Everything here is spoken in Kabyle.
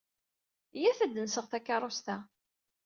Iyyat ad d-nseɣ takeṛṛust-a.